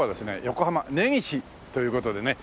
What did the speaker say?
横浜根岸という事でね。